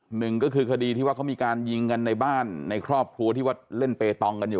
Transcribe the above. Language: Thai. หนึ่งก็คือคดีที่ว่าเขามีการยิงกันในบ้านในครอบครัวที่ว่าเล่นเปตองกันอยู่